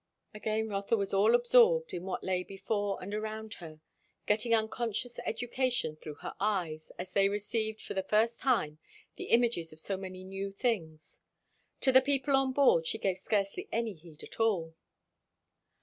Again Rotha was all absorbed in what lay before and around her; getting unconscious education through her eyes, as they received for the first time the images of so many new things. To the people on board she gave scarcely any heed at all.